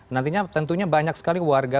nantinya tentunya banyak sekali warga